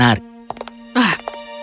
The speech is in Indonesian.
terutama dengan pangeran toyonari